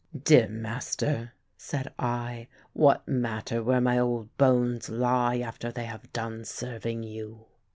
"Dear master," said I, "what matter where my old bones lie after they have done serving you?"